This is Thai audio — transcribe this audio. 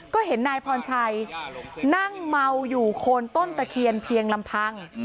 ก็เห็นนายพรชัยนั่งเมาอยู่โคนต้นตะเคียนเพียงลำพัง